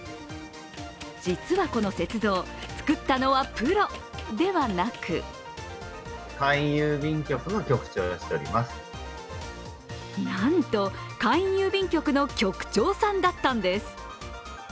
実はこの雪像、作ったのはプロではなくなんと簡易郵便局の局長さんだったんです。